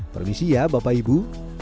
permisi ya bapak ibu